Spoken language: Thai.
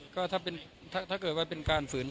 ก็ไม่ได้ติดใจง่ายครับ